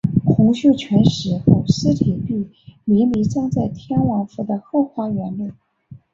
洪秀全死后尸体被秘密葬在天王府的后花园内。